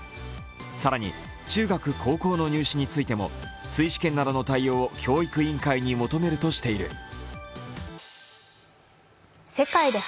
更に、中学・高校の入試についても追試験などの対応を教育委員会に求めるとしている。